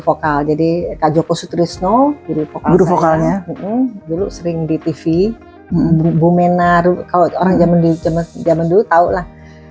vokal jadi kak joko sutrisno jadi fokus vokalnya dulu sering di tv bu menaruh kalau orang zaman dulu tahu lah